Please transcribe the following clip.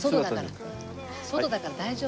外だから大丈夫。